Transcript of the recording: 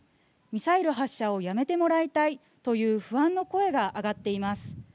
ミサイル発射をやめてもらいたいという不安の声が上がっています。